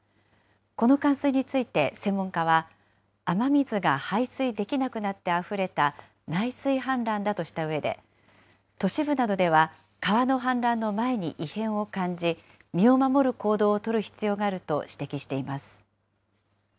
この冠水について、専門家は、雨水が排水できなくなってあふれた内水氾濫だとしたうえで、都市部などでは川の氾濫の前に異変を感じ、身を守る行動を取る必要があると指摘しています。